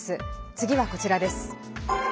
次はこちらです。